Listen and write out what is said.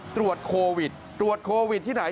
ตรวจโควิดตรวจโควิดที่ไหน